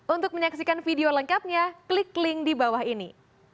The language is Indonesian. untuk menyaksikan video lengkapnya klik link di bawah ini